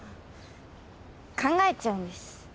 考えちゃうんです。